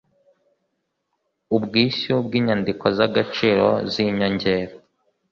ubwishyu bw inyandiko z agaciro z inyongera